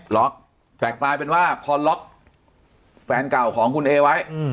ล็อกแต่กลายเป็นว่าพอล็อกแฟนเก่าของคุณเอไว้